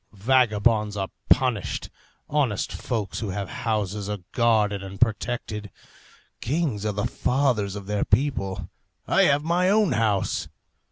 Vagabonds are punished, honest folks who have houses are guarded and protected. Kings are the fathers of their people. I have my own house.